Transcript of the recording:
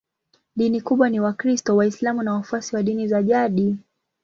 Dini kubwa ni Wakristo, Waislamu na wafuasi wa dini za jadi.